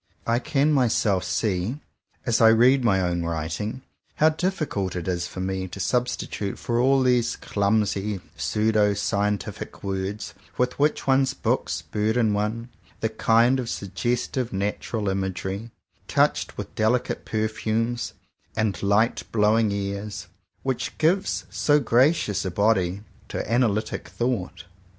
I can myself see, as I read my own writing, how difficult it is for me to substitute for all these clumsy pseudo scientific words, with which one's books burden one, the kind of suggestive natural imagery, touched with delicate perfumes and light blowing airs, which gives so gracious a body to analytic thought.